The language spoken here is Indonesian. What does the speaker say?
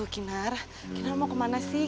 kinar kita mau kemana sih